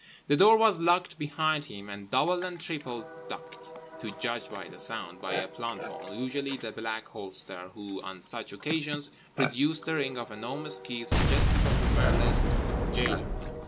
The door was locked behind him and double and triple locked—to judge by the sound—by a planton, usually the Black Holster, who on such occasions produced a ring of enormous keys suggestive of a burlesque jailer.